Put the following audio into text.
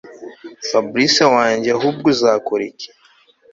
Fabric wajye ahubwo uzakora iki